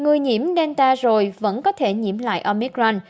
omicron vẫn có thể nhiễm lại omicron